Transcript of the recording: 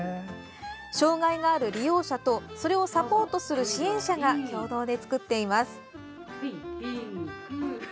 障害がある利用者とそれをサポートする支援者が共同で作っています。